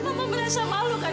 mama merasa malu kan